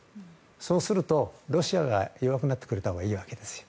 そうすると、ロシアがいなくなってくれたほうがいいわけです。